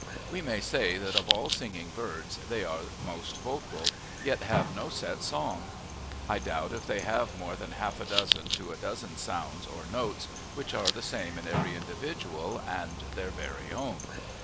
We may say that of all singing birds they are most vocal, yet have no set song. I doubt if they have more than half a dozen to a dozen sounds or notes which are the same in every individual and their very own.